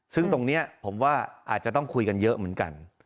ซึ่งตรงนี้ผมว่าอาจจะต้องคุยกันเยอะเหมือนกัน